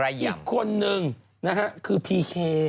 อีกคนนึงคือพีเค